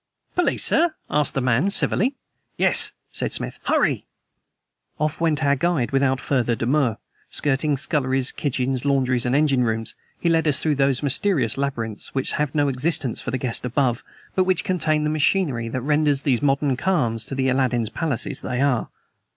"Police, sir?" asked the man civilly. "Yes," said Smith; "hurry!" Off went our guide without further demur. Skirting sculleries, kitchens, laundries and engine rooms, he led us through those mysterious labyrinths which have no existence for the guest above, but which contain the machinery that renders these modern khans the Aladdin's palaces they are.